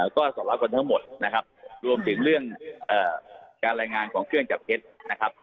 ก็สาระกันทั้งหมดนะครับรวมถึงเรื่องการรายงานของเครื่องจับเท็จนะครับ